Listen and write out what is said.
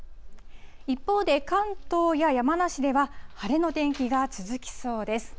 一方で、関東や山梨では、晴れの天気が続きそうです。